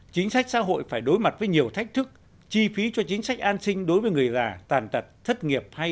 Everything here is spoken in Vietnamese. chính sách xã hội phải đối mặt với nhiều thách thức chi phí cho chính sách an sinh đối với người già tàn tật thất nghiệp